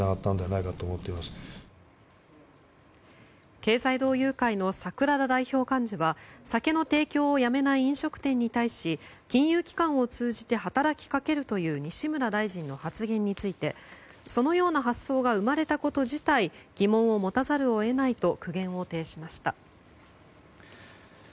経済同友会の桜田代表幹事は酒の提供をやめない飲食店に対し金融機関を通じて働きかけるという西村大臣の発言についてそのような発想が生まれたこと自体疑問を持たざるを得ないと苦言を呈しました。